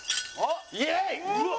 イエーイ！